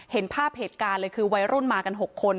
เห็นภาพเหตุการณ์เลยคือวัยรุ่นมากัน๖คน